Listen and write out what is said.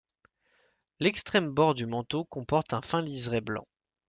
L'extrême bord du manteau comporte un fin liseré blanc.